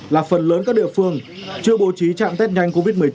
là phần lớn các địa phương chưa bố trí chạm test nhanh covid một mươi chín